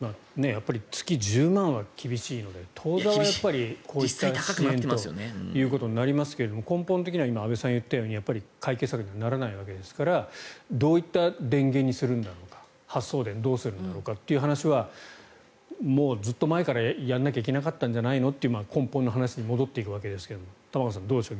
月１０万は厳しいので当座はこういった支援ということになりますが根本的には安部さんが言ったように解決策にはならないわけですからどういった電源にするんだろうか発送電どうするんだろうかという話はもうずっと前からやらなきゃいけなかったんじゃないのという根本の話に戻っていくわけですが玉川さん、どうでしょう。